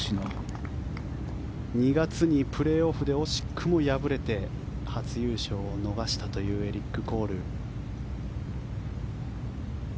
２月にプレーオフで惜しくも敗れて初優勝を逃したというエリック・コール。